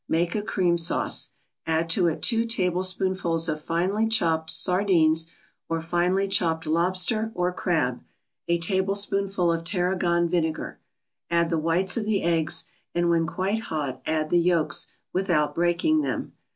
Make a cream sauce. Add to it two tablespoonfuls of finely chopped sardines or finely chopped lobster or crab, a tablespoonful of tarragon vinegar. Add the whites of the eggs, and, when quite hot, add the yolks, without breaking them.